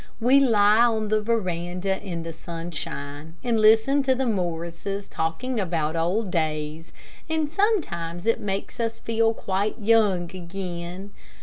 We lie on the veranda in the sunshine, and listen to the Morrises talking about old days, and sometimes it makes us feel quite young again.